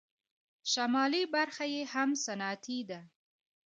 شمالي برخه یې هم صنعتي ده.